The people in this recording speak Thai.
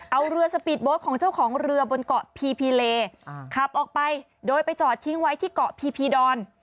เอาเรือสปีดโบ๊ทของเจ้าของเรือบนเกาะพีพีเลขับออกไปโดยไปจอดทิ้งไว้ที่เกาะพีพีดอน